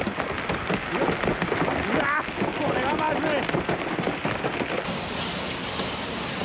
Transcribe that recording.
うわー、これはまずい。